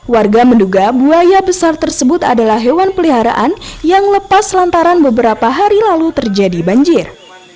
warga menduga buaya besar tersebut adalah hewan peliharaan yang lepas lantaran beberapa hari lalu terjadi banjir